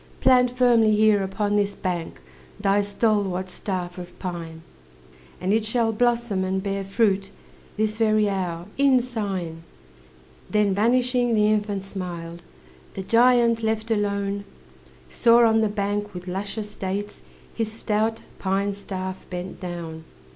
Plant firmly here upon this bank Thy stalwart staff of pine, And it shall blossom and bear fruit, This very hour, in sign." Then, vanishing, the infant smiled. The giant, left alone, Saw on the bank, with luscious dates, His stout pine staff bent down.